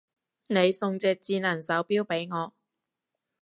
你送隻智能手錶俾我